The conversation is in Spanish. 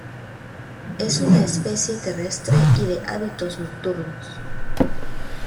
Es una especie terrestre y de hábitos nocturnos.